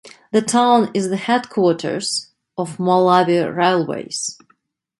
The town is the headquarters of Malawi Railways.